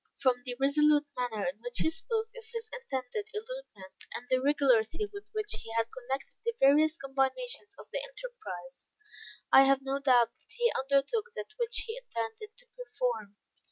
From the resolute manner in which he spoke of his intended elopement, and the regularity with which he had connected the various combinations of the enterprise, I have no doubt that he undertook that which he intended to perform.